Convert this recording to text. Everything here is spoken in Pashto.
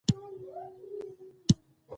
پکتیکا کې مېلمه پالنه، جرګې، عنعنوي جامي عام دي.